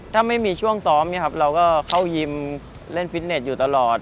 ถ้าไม่มีช่วงซ้อมเนี่ยครับเราก็เข้ายิมเล่นฟิตเน็ตอยู่ตลอด